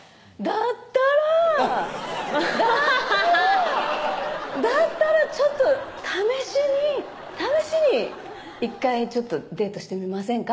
だったらだったらちょっと試しに試しに「１回デートしてみませんか？」